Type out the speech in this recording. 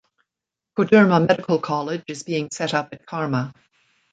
Koderma Medical College is being set up at Karma.